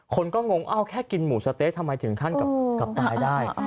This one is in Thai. คนก็งงเอ้าแค่กินหมูสะเต๊ะทำไมถึงขั้นกลับตายได้